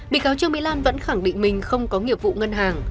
bị cáo trương mỹ lan vẫn khẳng định mình không có nghiệp vụ ngân hàng